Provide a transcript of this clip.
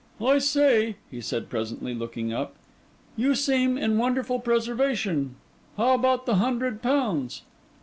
'I say,' he said presently, looking up, 'you seem in wonderful preservation: how about the hundred pounds?